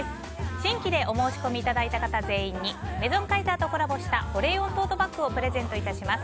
新規でお申込みいただいた方全員にメゾンカイザーとコラボした保冷温トートバッグをプレゼントいたします。